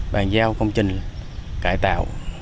bàn giao công trình cải tạo